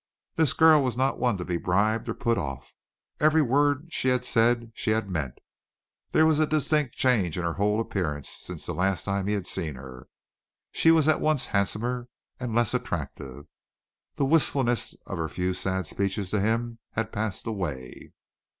This girl was not one to be bribed or put off. Every word she had said she had meant. There was a distinct change in her whole appearance since the last time he had seen her. She was at once handsomer and less attractive. The wistfulness of her few sad speeches to him had passed away.